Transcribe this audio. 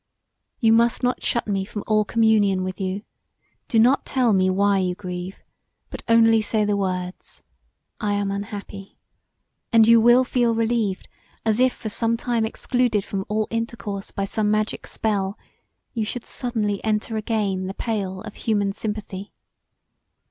You must not shut me from all communion with you: do not tell me why you grieve but only say the words, "I am unhappy," and you will feel relieved as if for some time excluded from all intercourse by some magic spell you should suddenly enter again the pale of human sympathy.